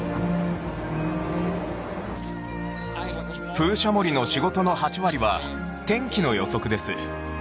風車守りの仕事の８割は天気の予測です